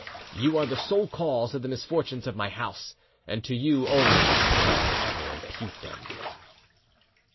You are the sole cause of the misfortunes of my house, and to you only shall I ever impute them."